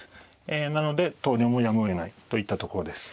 えなので投了もやむをえないといったところです。